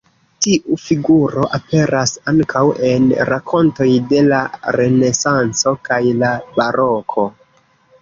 Tiu figuro aperas ankaŭ en rakontoj de la Renesanco kaj la Baroko.